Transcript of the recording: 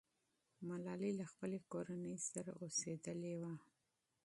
ملالۍ له خپلې کورنۍ سره اوسېدلې وه.